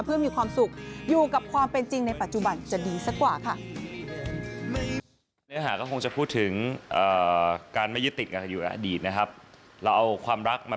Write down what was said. เพื่อมีความสุขอยู่กับความเป็นจริงในปัจจุบันจะดีสักกว่าค่ะ